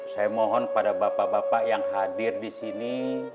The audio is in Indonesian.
saya mohon pada bapak bapak yang hadir disini